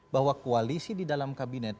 bahwa koalisi di dalam kabinet